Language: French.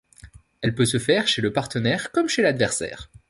Elle peut se faire chez le partenaire comme chez l'adversaire.